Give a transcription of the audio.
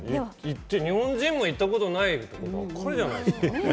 日本人も行ったことないところばっかりじゃないですか。